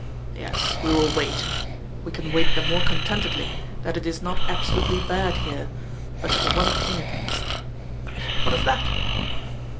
"Yes, we will wait. We can wait the more contentedly, that it is not absolutely bad here, but for one thing, at least." "What is that?"